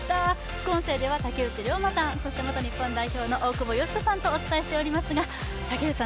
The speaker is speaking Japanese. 副音声では竹内涼真さん、そして元日本代表の大久保嘉人さんとお伝えしています。